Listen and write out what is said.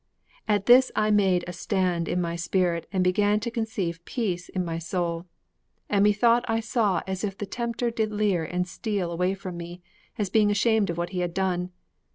_" At this I made a stand in my spirit and began to conceive peace in my soul, and methought I saw as if the tempter did leer and steal away from me, as being ashamed of what he had done.